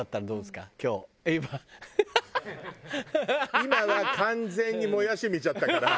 今は完全にもやし見ちゃったから。